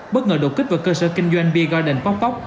bất ngờ đột kích vào cơ sở kinh doanh beer garden poc poc